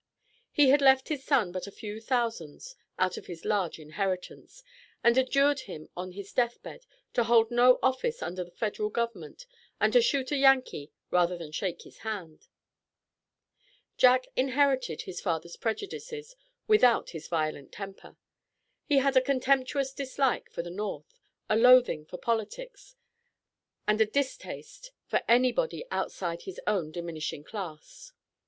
He had left his son but a few thousands out of his large inheritance, and adjured him on his death bed to hold no office under the Federal government and to shoot a Yankee rather than shake his hand. Jack inherited his father's prejudices without his violent temper. He had a contemptuous dislike for the North, a loathing for politics, and adistaste for everybody outside his own diminishing class.